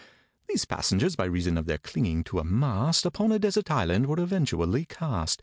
These passengers, by reason of their clinging to a mast, Upon a desert island were eventually cast.